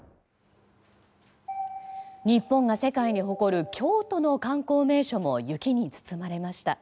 日本が世界に誇る京都の観光名所も雪に包まれました。